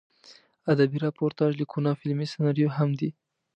ادبي راپورتاژ لیکونه او فلمي سناریو هم دي.